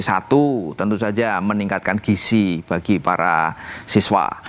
satu tentu saja meningkatkan gisi bagi para siswa